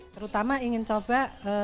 terutama ingin coba